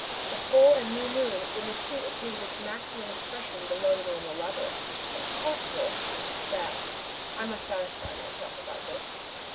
At the full and new moon, when the sea attains its maximum depression below the normal level, it is possible that I must satisfy myself about this.